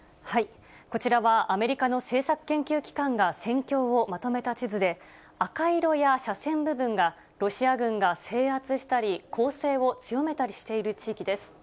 こちらはアメリカの政策研究機関が戦況をまとめた地図で、赤色や斜線部分が、ロシア軍が制圧したり、攻勢を強めたりしている地域です。